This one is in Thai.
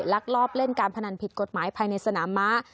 ลักลอบเล่นการพนันผิดกฎหมายภายในสนามม้า